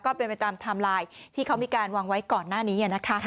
ต่อไปด้วยเป็นตามทามลายที่เขามีการวางไว้ก่อนหน้านี้